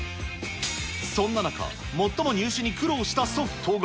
そんな中、最も入手に困難したソフトが。